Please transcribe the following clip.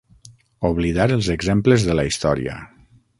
Oblidar els exemples de la història.